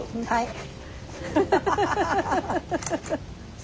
はい。